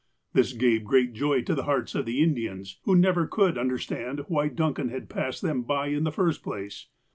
This gave great joy to the hearts of the Indians, who never could understand why Duncau had passed them by in the first place.